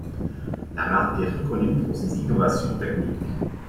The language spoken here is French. La marque est reconnue pour ses innovations techniques.